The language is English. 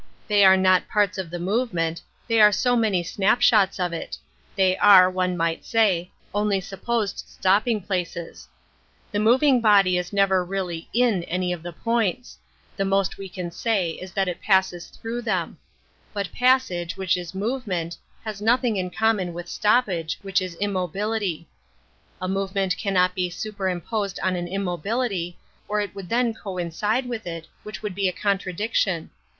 They are not parts of the movement, they are so many snap shots of it; they are, one might say, only supposed stopping places. The moving boc^^'^^ C ^ is never really in any of the points : the X most we can say is that it passes through/ them. But passage, which is movement, has nothing in common with stoppage, which is immobility. A movement cannot be superposed on an immobility, or it would then coincide with it, which would be a contradiction.